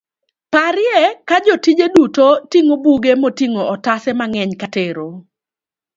parye ka jotije duto ting'o buge moting'o otase mang'eny katero